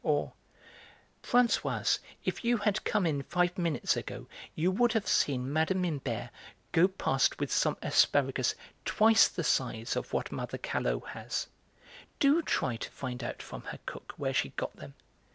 Or: "Françoise, if you had come in five minutes ago, you would have seen Mme. Imbert go past with some asparagus twice the size of what mother Callot has: do try to find out from her cook where she got them.